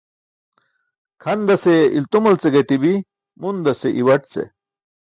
Kʰandase i̇ltumal ce gaṭi̇bi̇, mundasi̇ iwaṭ ce.